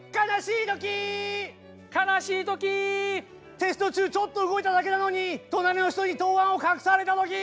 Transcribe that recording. テスト中ちょっと動いただけなのに隣の人に答案を隠された時。